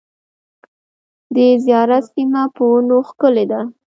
د زیارت سیمه په ونو ښکلې ده .